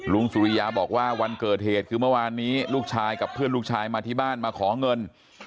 สุริยาบอกว่าวันเกิดเหตุคือเมื่อวานนี้ลูกชายกับเพื่อนลูกชายมาที่บ้านมาขอเงิน